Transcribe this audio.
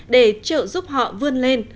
để trợ giúp họ vươn lên